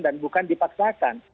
dan bukan dipaksakan